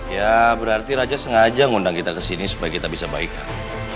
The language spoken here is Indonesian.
ya berarti raja sengaja ngundang kita ke sini supaya kita bisa baikan